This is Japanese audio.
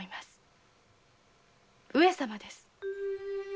上様です